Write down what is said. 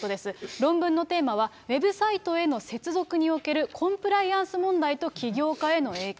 論文のテーマは、ウェブサイトへの接続におけるコンプライアンス問題と起業家への影響。